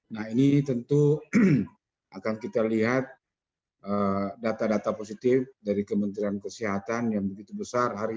nah ini tentu akan kita lihat data data positif dari kementerian kesehatan yang begitu besar